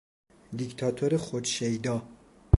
دیکتاتور خود شیدا